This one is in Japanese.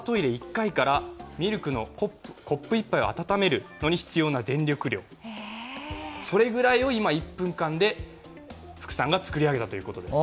１回からミルクコップ１杯を温めるのに必要な電力量、それぐらいを今、１分間で福さんが作り上げたということです。